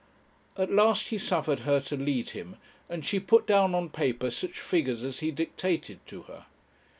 At last he suffered her to lead him, and she put down on paper such figures as he dictated to her.